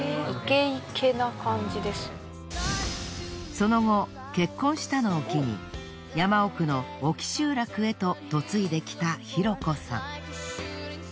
その後結婚したのを機に山奥の沖集落へと嫁いで来た大子さん。